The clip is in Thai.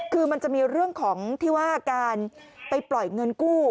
คือมันจะมีเรื่องของที่ว่าการไปปล่อยเงินกู้